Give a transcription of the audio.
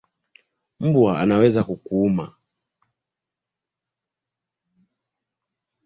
Mbwa anaweza kukuuma.